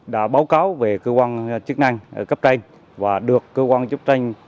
đã báo cáo về cơ quan chức năng cấp tranh và được cơ quan chức tranh